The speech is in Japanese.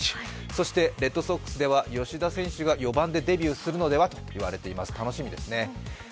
そしてレッドソックスでは吉田選手が４番でデビューするのではと言われています、楽しみですね。